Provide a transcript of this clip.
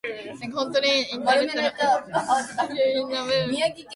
水の入っていない水槽のような静けさがあって、次に君が口を開いた